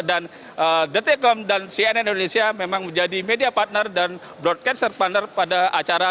dan dtkom dan cnn indonesia memang menjadi media partner dan broadcast partner pada acaranya